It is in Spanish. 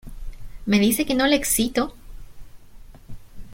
¿ me dice que no le excito?